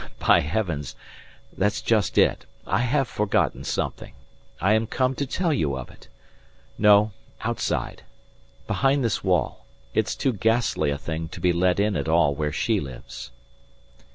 "By heavens! That's just it. I have forgotten something. I am come to tell you of it. No outside. Behind this wall. It's too ghastly a thing to be let in at all where she lives."